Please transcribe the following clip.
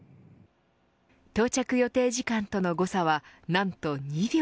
到着予定時間との誤差は何と２秒。